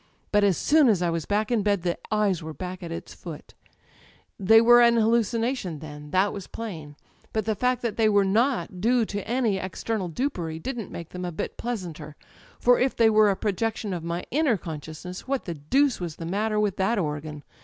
But as soon as I was back in bed the eyes were back at its foot. ^^They were an hallucination, then: that was plain. But the fact that they were not due to any external [ 255 ] Digitized by LjOOQ IC THE EYES dupeiy didn't make them a bit pleasanter. For if they were a projection of my inner consciousness, what the deuce was the matter with that organ?